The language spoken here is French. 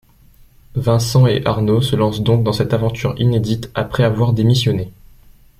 Vincent et Arnaud se lancent donc dans cette aventure inédite après avoir démissionné.